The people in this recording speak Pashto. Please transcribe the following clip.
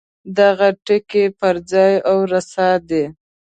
دغه ټکی پر ځای او رسا دی.